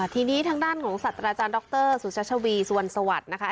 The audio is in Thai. ทีนี้ทางด้านของสัตว์อาจารย์ดรสุชัชวีสุวรรณสวัสดิ์นะคะ